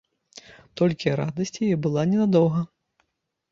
Толькі радасць яе была ненадоўга.